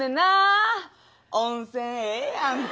温泉ええやんか。